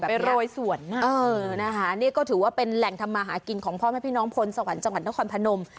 ไปโรยสวนนะคะนี่ก็ถือว่าเป็นแหล่งทำมาหากินของพ่อแม่พี่น้องพลสวรรค์จังหวัดนครพนม